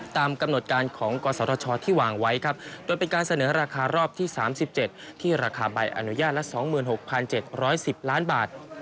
ตามกำหนดการของกศชที่วางไว้ครับโดยเป็นการเสนอราคารอบที่๓๗ที่ราคาใบอนุญาตละ๒๖๗๑๐ล้านบาท